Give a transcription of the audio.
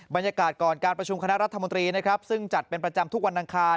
บรรยากาศก่อนการประชุมคณะรัฐมนตรีนะครับซึ่งจัดเป็นประจำทุกวันอังคาร